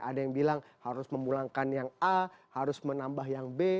ada yang bilang harus memulangkan yang a harus menambah yang b